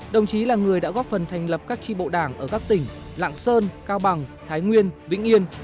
đồng chí là người đã góp phần thành lập các tri bộ đảng ở các tỉnh lạng sơn cao bằng thái nguyên vĩnh yên